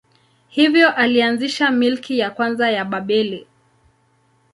Hivyo alianzisha milki ya kwanza ya Babeli.